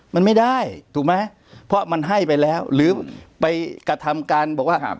มันไม่ได้ถูกไหมเพราะมันให้ไปแล้วหรือไปกระทำการบอกว่า